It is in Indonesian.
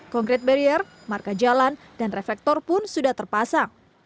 concrete barrier marka jalan dan reflektor pun sudah terpasang